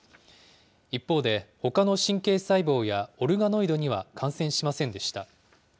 一方で、ほかの神経細胞やオルガノイドには感染しませんでした。